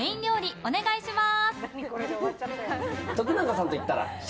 お願いします！